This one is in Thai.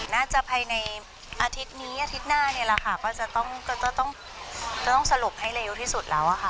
น่าจะภายในอาทิตย์นี้อาทิตย์หน้าเนี่ยแหละค่ะก็จะต้องสรุปให้เร็วที่สุดแล้วอะค่ะ